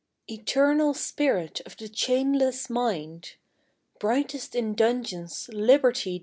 Eternal spirit of the chainless mind! Brightest in dungeons, Liberty!